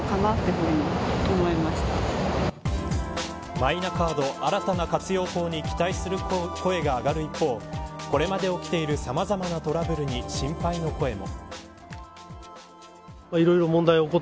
マイナカードの新たな活用法に期待する声が上がる一方これまで起きているさまざまなトラブルに心配の声も。